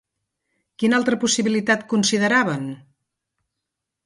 Quina altra possibilitat consideraven?